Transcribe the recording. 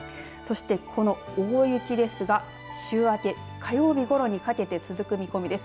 そして、この大雪ですが週明け、火曜日ごろにかけて続く見込みです。